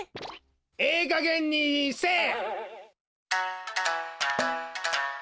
ええかげんにせえ！